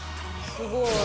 すごい。